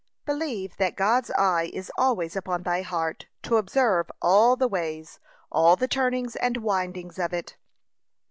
Believe that God's eye is always upon thy heart, to observe all the ways, all the turnings and windings of it.